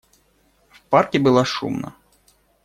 В парке было шумно.